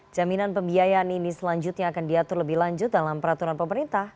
jaminan pembiayaan ini selanjutnya akan diatur lebih lanjut dalam peraturan pemerintah